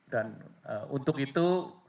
dan untuk itu